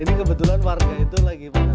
ini kebetulan warga itu lagi mana